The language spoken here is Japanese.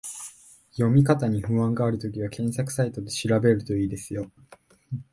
読み方に不安があるときは、検索サイトで調べると良いですよ